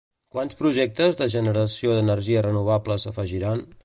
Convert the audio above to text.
Quants projectes de generació d'energia renovable s'afegiran?